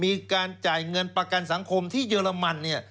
มีการจ่ายเงินประกันสังคมที่เยอรมันเนี่ย